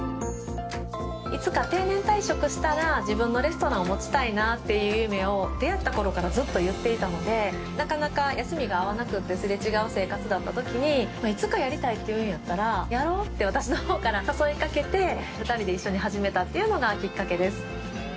いつか定年退職したら自分のレストランを持ちたいなっていう夢を出会った頃からずっと言っていたのでなかなか休みが合わなくってすれ違う生活だったときにいつかやりたいって言うんやったらやろうって私の方から誘いかけて２人で一緒に始めたっていうのがきっかけです